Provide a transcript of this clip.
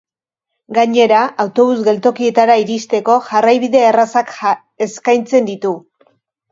Gainera, autobus-geltokietara iristeko jarraibide errazak eskaintzen ditu.